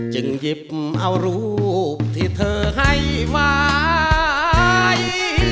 หยิบเอารูปที่เธอให้ไว้